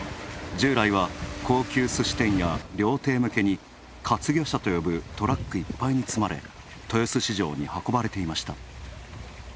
従来は高級すし店や料亭向けに、活魚車と呼ぶトラックいっぱいに詰まれ、豊洲市場に運ばれていました。